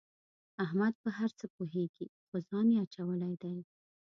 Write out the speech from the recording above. احمد په هر څه پوهېږي خو ځان یې اچولی دی.